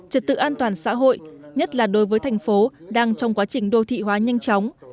trật tự an toàn xã hội nhất là đối với thành phố đang trong quá trình đô thị hóa nhanh chóng